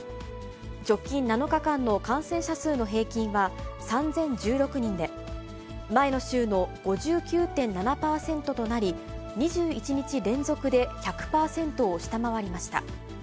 直近７日間の感染者数の平均は、３０１６人で、前の週の５９．７％となり、２１日連続で１００％を下回りました。